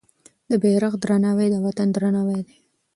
د بیرغ درناوی د وطن درناوی دی.